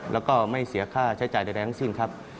แล้วก็ไม่เสียค่าใช้จ่ายใดทั้งสิ้นครับ